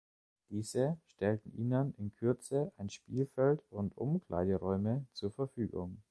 Diese stellte ihnen in Kürze ein Spielfeld und Umkleideräume zur Verfügung.